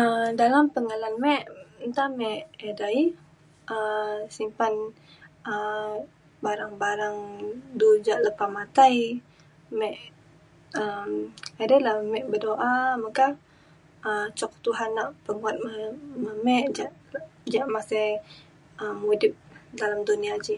um dalam pengelan me nta me edei um simpan um barang barang du ja lepa matai me um edei la me berdoa meka um cuk Tuhan nak penguat me me ja ja masih um mudip dalam dunia ji